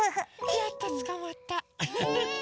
やっとつかまったフフフ。